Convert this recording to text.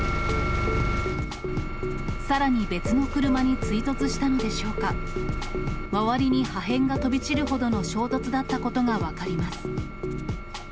さらに別の車に追突したのでしょうか、周りに破片が飛び散るほどの衝突だったことが分かります。